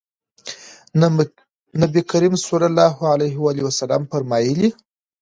نبي کریم صلی الله علیه وسلم فرمایلي: